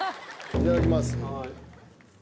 いただきます。